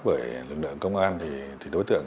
bởi lực lượng công an thì đối tượng